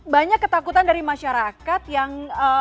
banyak ketakutan dari masyarakat yang